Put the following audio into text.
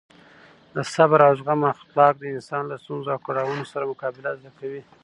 د صبر او زغم اخلاق انسان له ستونزو او کړاوونو سره مقابله زده کوي.